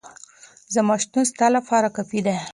زما شتون ستا لپاره کافي دی.